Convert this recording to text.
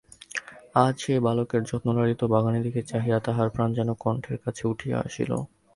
আজ সেই বালকের যত্নলালিত বাগানের দিকে চাহিয়া তাঁহার প্রাণ যেন কণ্ঠের কাছে উঠিয়া আসিল।